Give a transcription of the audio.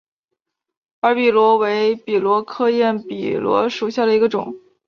耳笔螺为笔螺科焰笔螺属下的一个种。